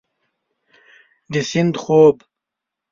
د سیند خوب